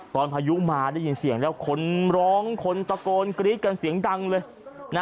พายุมาได้ยินเสียงแล้วคนร้องคนตะโกนกรี๊ดกันเสียงดังเลย